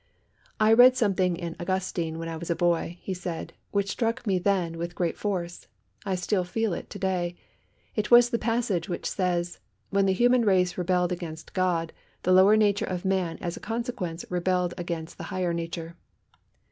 "I read something in 'Augustine' when I was a boy," he said, "which struck me then with great force. I still feel it to day. It was the passage which says, 'When the human race rebelled against God, the lower nature of man as a consequence rebelled against the higher nature.'"